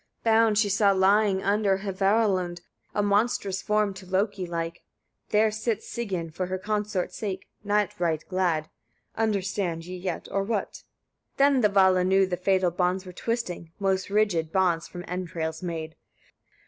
38. Bound she saw lying, under Hveralund, a monstrous form, to Loki like. There sits Sigyn, for her consort's sake, not right glad. Understand ye yet, or what? 39. Then the Vala knew the fatal bonds were twisting, most rigid, bonds from entrails made.